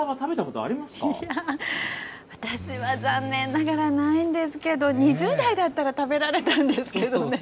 ２人、私は残念ながらないんですけど、２０代だったら食べられたんですけどね。